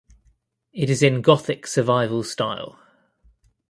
It is in Gothic survival style.